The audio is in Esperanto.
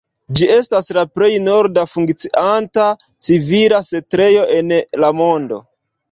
Ĝi estas la plej norda funkcianta civila setlejo en la mondo.